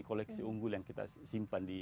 koleksi unggul yang kita simpan di